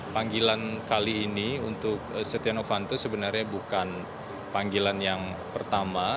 panggilan kali ini untuk setia novanto sebenarnya bukan panggilan yang pertama